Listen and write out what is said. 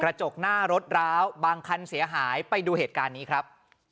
จกหน้ารถร้าวบางคันเสียหายไปดูเหตุการณ์นี้ครับ